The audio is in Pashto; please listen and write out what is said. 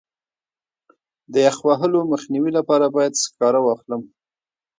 د یخ وهلو مخنیوي لپاره باید سکاره واخلم.